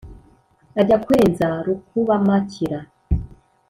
ajya kwenza rukub-amakira.